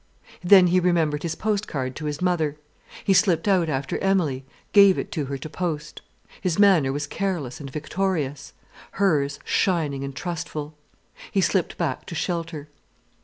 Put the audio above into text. Then he remembered his post card to his mother. He slipped out after Emilie, gave it her to post. His manner was careless and victorious, hers shining and trustful. He slipped back to shelter.